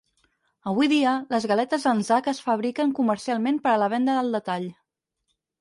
Avui dia, les galetes Anzac es fabriquen comercialment per a la venda al detall.